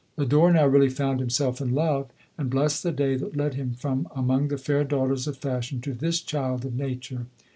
Lodore now really found himself in love, and blessed the day that led him from among the fair daughters of fashion to this child of nature.